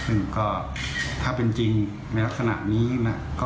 ซึ่งก็ถ้าเป็นจริงในลักษณะนี้นะ